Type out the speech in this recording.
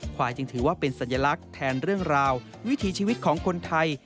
ควายจึงถือว่าเป็นสัญลักษณ์แทนเรื่องราววิถีชีวิตของคนไทย